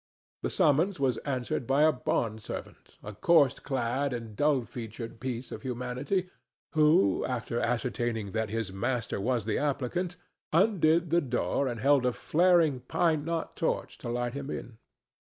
The summons was answered by a bond servant, a coarse clad and dull featured piece of humanity, who, after ascertaining that his master was the applicant, undid the door and held a flaring pine knot torch to light him in.